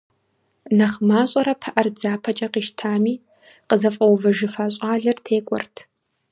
Нэхъ мащӀэрэ пыӀэр дзапэкӀэ къищтами, къызэфӀэувэжыфа щӀалэр текӀуэрт.